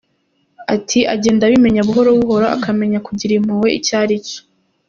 Ati “Agenda abimenya buhoro buhoro, akamenya kugira impuhwe icyo ari cyo.